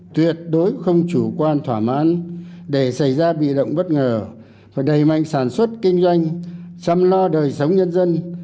tuyệt đối không chủ quan thỏa mãn để xảy ra bị động bất ngờ và đầy mạnh sản xuất kinh doanh chăm lo đời sống nhân dân